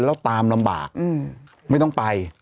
แล้วตามลำบากไม่ต้องไป